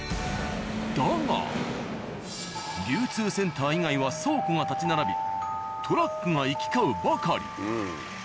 だが流通センター以外は倉庫が立ち並びトラックが行き交うばかり。